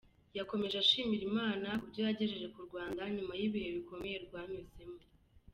Yakomeje ashimira Imana ku byo yagejeje ku Rwanda nyuma y’ibihe bikomeye rwanyuzemo.